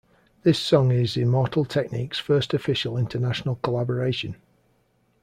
This song is Immortal Technique's first official international collaboration.